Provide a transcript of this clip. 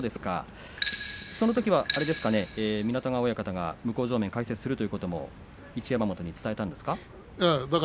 そのときは湊川親方が向正面で解説をするということも一山本に伝えたんですか。